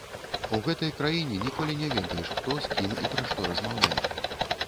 У гэтай краіне ніколі не ведаеш, хто, з кім і пра што размаўляе.